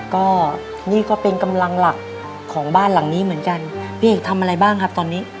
ก็นี่ก็เป็นกำลังหลักของบ้านหลังนี้เหมือนกันพี่เอกทำอะไรบ้างครับตอนนี้